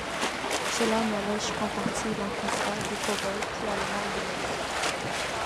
Cela n'allège qu'en partie l'inconfort du cow-boy qui a le mal de mer.